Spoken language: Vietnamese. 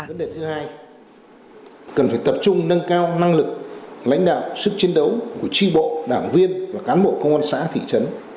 vấn đề thứ hai cần phải tập trung nâng cao năng lực lãnh đạo sức chiến đấu của tri bộ đảng viên và cán bộ công an xã thị trấn